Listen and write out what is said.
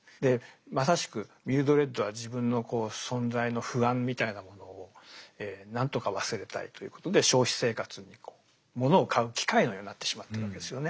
まさしくミルドレッドは自分の存在の不安みたいなものを何とか忘れたいということで消費生活にこうモノを買う機械のようになってしまってるわけですよね。